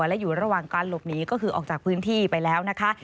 และอยู่ระหว่างการหลบหนีก็คือออกจากพื้นที่ไปแล้วนะคะ